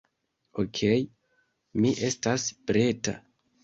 Okej, mi estas preta